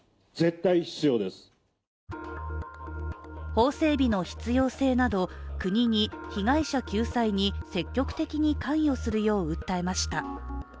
法整備の必要性など、国に被害者救済に積極的に関与するよう訴えました。